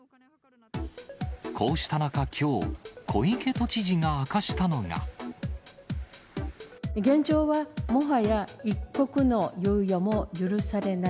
こうした中、きょう、現状はもはや一刻の猶予も許されない。